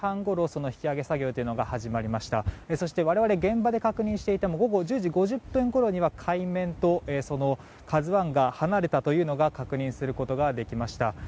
そして、我々現場で確認していても午後１０時５０分ごろには海面と「ＫＡＺＵ１」が離れたというのが確認することができました。